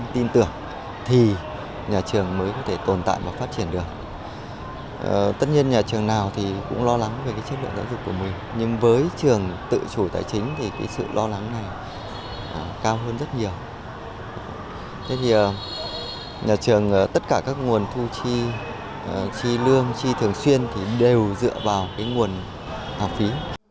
thế thì nhà trường tất cả các nguồn thu chi chi lương chi thường xuyên đều dựa vào nguồn học phí